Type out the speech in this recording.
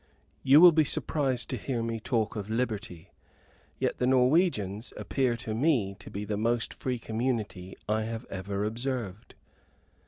You will be surprised to hear me talk of liberty; yet the Norwegians appear to me to be the most free community I have ever observed.